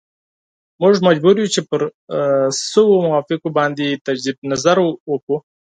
موږ مجبور یو چې پر شویو موافقو باندې تجدید نظر وکړو.